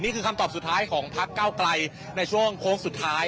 คำตอบสุดท้ายของพักเก้าไกลในช่วงโค้งสุดท้าย